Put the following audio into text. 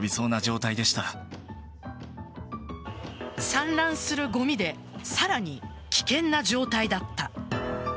散乱するごみでさらに危険な状態だった。